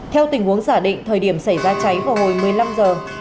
theo tình huống giả định thời điểm xảy ra cháy vào hồi một mươi năm giờ